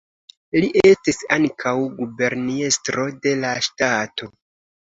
Li estis ankaŭ guberniestro de la ŝtato.